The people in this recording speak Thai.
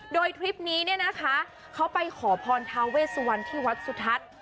โดยทริปนี้เนี่ยนะคะเขาไปขอพรทาเวสวันที่วัดสุทัศน์